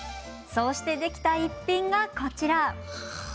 そうしてできた逸品が、こちら。